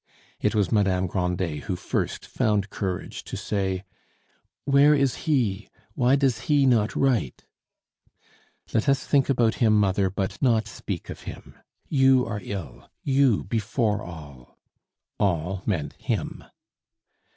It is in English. It was Madame Grandet who first found courage to say, "Where is he? Why does he not write?" "Let us think about him, mother, but not speak of him. You are ill you, before all." "All" meant "him."